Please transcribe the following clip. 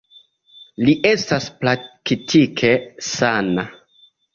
Li estas praktike sana.